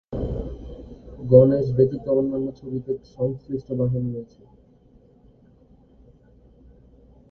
গণেশ ব্যতীত অন্যান্য ছবিতে সংশ্লিষ্ট বাহন রয়েছে।